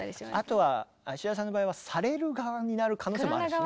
あとは田さんの場合はされる側になる可能性もあるしね。